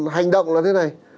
hành động là thế này